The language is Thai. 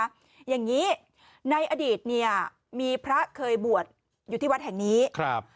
อย่างนี้ในอดีตเนี่ยมีพระเคยบวชอยู่ที่วัดแห่งนี้ครับ